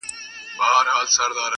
کرۍ ورځ په کور کي لوبي او نڅا کړي!!